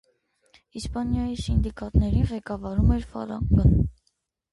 Իսպանիայի սինդիկատներին ղեկավարում էր ֆալանգան։